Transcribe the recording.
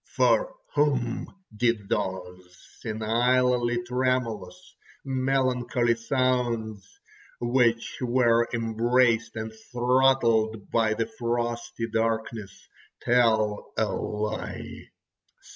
For whom did those senilely tremulous, melancholy sounds, which were embraced and throttled by the frosty darkness, tell a lie?